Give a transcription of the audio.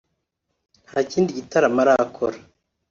nta kindi gitaramo arakora